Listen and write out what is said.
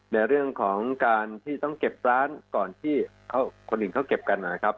ในเรื่องของการที่ต้องเก็บร้านก่อนที่คนอื่นเขาเก็บกันนะครับ